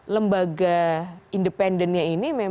lembaga independennya ini